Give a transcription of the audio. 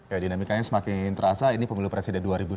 ya dinamikanya semakin terasa ini pemilu presiden dua ribu sembilan belas